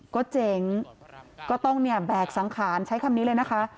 ก็เจ๊งก็ต้องเนี่ยแบกสังขารใช้คำนี้เลยนะคะ